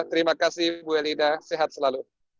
terima kasih bu elida sehat selalu